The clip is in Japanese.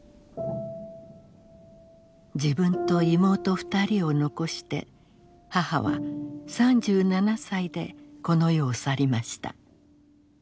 自分と妹２人を残して母は３７歳でこの世を去りました。